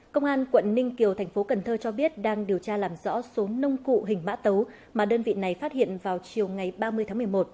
công an quận ninh kiều thành phố cần thơ cho biết đang điều tra làm rõ số nông cụ hình mã tấu mà đơn vị này phát hiện vào chiều ngày ba mươi tháng một mươi một